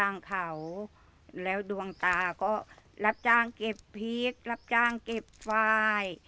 เขาแล้วดวงตาก็รับจ้างเก็บพริกรับจ้างเก็บไฟล์